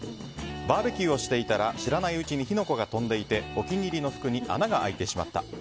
バーベキューをしていたら知らないうちに火の粉が飛んでいてお気に入りの服に穴が開いてしまった。